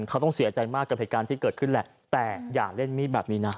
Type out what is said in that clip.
เขาต้องเสียใจมากกับเหตุการณ์ที่เกิดขึ้นแหละแต่อย่าเล่นมีดแบบนี้นะ